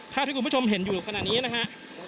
ถ้าทุกคนผู้ชมเห็นอยู่ขนาดนี้นะฮะ